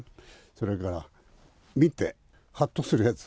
それから、見てはっとするやつ。